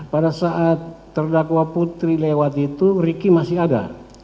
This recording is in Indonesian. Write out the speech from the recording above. pada saat terdakwa putri lewat itu riki masih ada